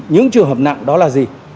những trường hợp nặng đó là gì